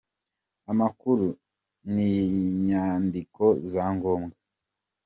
Amakuru n’inyandiko za ngombwa